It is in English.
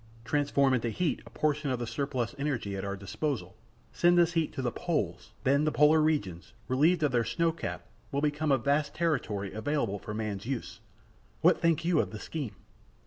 Transform into heat a portion of the surplus energy at our disposal; send this heat to the poles; then the polar regions, relieved of their snow cap, will become a vast territory available for man's use. What think you of the scheme?"